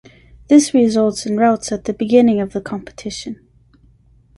This results in routs at the beginning of the competition.